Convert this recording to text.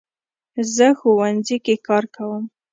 زه ښوونځي کې کار کوم